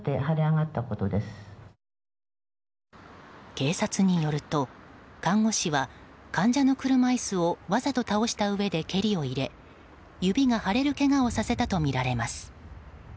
警察によると、看護師は患者の車椅子をわざと倒したうえで蹴りを入れ指がはれるけがをさせたとみられます。